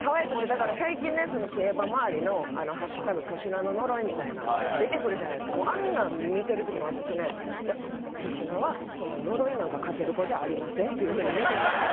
だから最近ね競馬周りの「＃粗品の呪い」みたいなん出てくるじゃないですか。もうあんなん見てる時の私ね「いや粗品はそんな呪いなんかかける子じゃありません」っていう風に見てる。